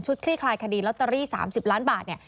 คลี่คลายคดีลอตเตอรี่๓๐ล้านบาทเนี่ย